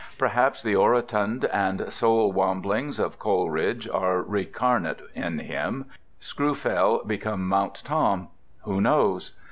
Perhaps the orotund soul wamblings of Coleridge are recarnate in him, Scawfell become Mount Tom. Who knows?